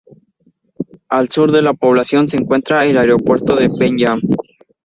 Al sur de la población se encuentra el Aeropuerto de Penn Yan.